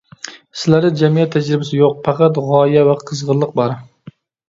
سىلەردە جەمئىيەت تەجرىبىسى يوق، پەقەت غايە ۋە قىزغىنلىق بار.